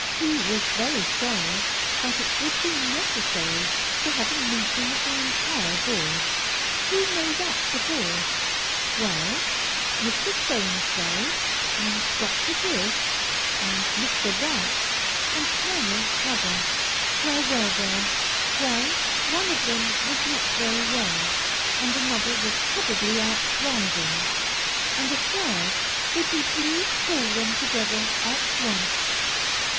He was very sorry, but it would be necessary to have a meeting of the entire board. Who made up the board? Well, Mr. So and so, and Dr. This, and Mr. That, and Colonel 'Tother. Where were they? Well, one of them was not very well, and another was probably out riding, and a third Would he please call them together at once?